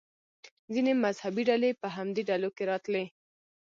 ځینې مذهبي ډلې په همدې ډلو کې راتلې.